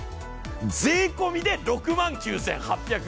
税込みで６万９８００円。